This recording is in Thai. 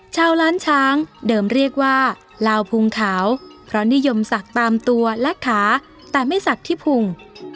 ชาวล้านช้างเดิมเรียกว่าลาวพุงขาวเพราะนิยมศักดิ์ตามตัวและขาแต่ไม่ศักดิ์ที่พุง